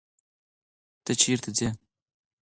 ته چیرته ځې.